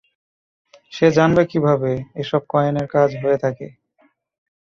সে জানবে কীভাবে এসব কয়েনের কাজ হয়ে থাকে।